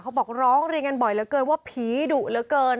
บอกร้องเรียนกันบ่อยเหลือเกินว่าผีดุเหลือเกิน